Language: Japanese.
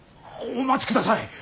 お待ちください。